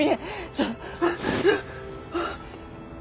ちょっ。